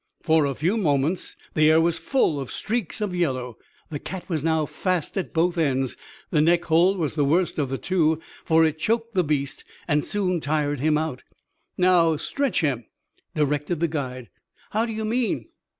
For a few moments the air was full of streaks of yellow. The cat was now fast at both ends. The neck hold was the worse of the two, for it choked the beast and soon tired him out. "Now stretch him," directed the guide. "How do you mean?"